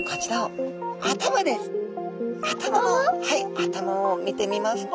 頭を見てみますと。